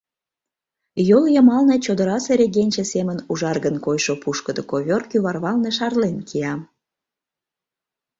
Йол йымалне чодырасе регенче семын ужаргын койшо пушкыдо ковёр кӱварвалне шарлен кия.